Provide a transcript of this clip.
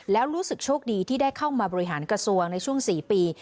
แล้วรู้สึกโชคดีที่ได้เข้ามาบริหารกระทรวงในช่วง๔ปี